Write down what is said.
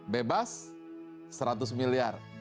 bebas seratus miliar